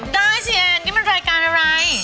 ได้สิแอนนี่มันรายการอะไร